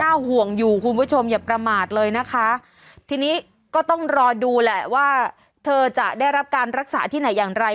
ห่วงอยู่คุณผู้ชมอย่าประมาทเลยนะคะทีนี้ก็ต้องรอดูแหละว่าเธอจะได้รับการรักษาที่ไหนอย่างไร